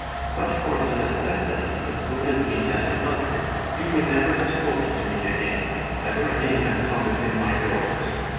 But for the necessity that goaded me as a mother, you would never have spoken to me again, never again have come within my doors.